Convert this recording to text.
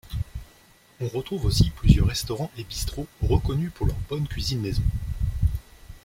On retrouve aussi plusieurs restaurants et bistros reconnus pour leur bonne cuisine maison.